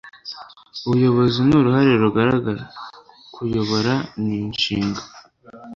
ubuyobozi ni uruhare rugaragara; 'kuyobora' ni inshinga